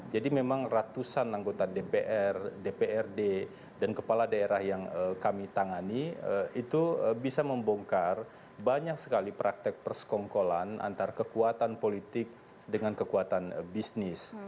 jadi memang ratusan anggota dpr dprd dan kepala daerah yang kami tangani itu bisa membongkar banyak sekali praktek persekongkolan antara kekuatan politik dengan kekuatan bisnis